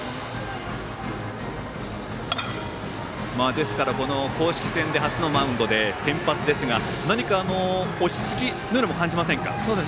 ですから公式戦で初のマウンドで先発ですが落ち着きのようなものを感じませんか。